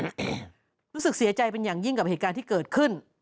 รู้สึกเสียใจเป็นอย่างยิ่งกับเหตุการณ์ที่เกิดขึ้น